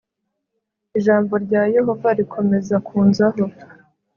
ijambo rya yehova rikomeza kunzaho